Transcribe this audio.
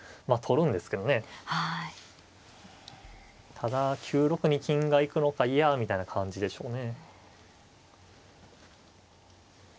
ただ９六に金が行くのかいやみたいな感じでしょうね。